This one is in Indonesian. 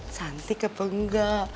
cantik apa enggak